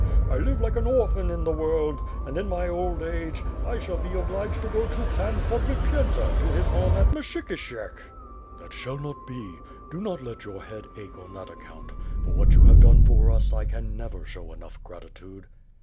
I live like an orphan in the world and, in my old age, I shall be obliged to go to Pan Podbipyenta, to his home at Myshykishek.'* "That shall not be. Do not let your head ache on that ac count. For what you have done for us I can never show enough gratitude."